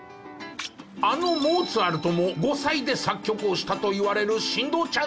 あのモーツァルトも５歳で作曲をしたといわれる神童ちゃん。